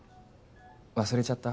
忘れちゃった？